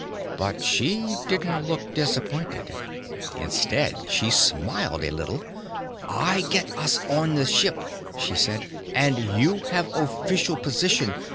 But she didn't look disappointed. Instead, she'd smiled a little. "I get us on the ship," she said. "And you have official position.